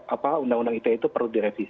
apa undang undang ite itu perlu direvisi